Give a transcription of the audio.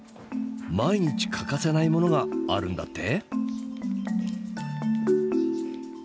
毎日欠かせないものがあるんだって？